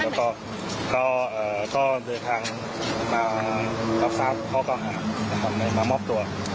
แล้วก็เดินทางมารับทราบข้อเก่าหามามอบตัว